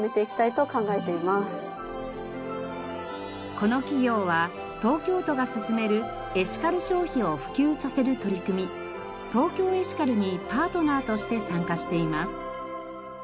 この企業は東京都が進めるエシカル消費を普及させる取り組み「ＴＯＫＹＯエシカル」にパートナーとして参加しています。